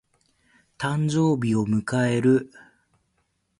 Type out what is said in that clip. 誕生日を迎える。